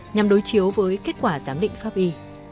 nhằm đối chiếu với kết quả giám định pháp y